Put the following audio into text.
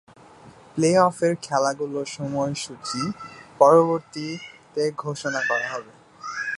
প্লে-অফের খেলাগুলোর সময়সূচী পরবর্তীতে ঘোষণা করা হবে।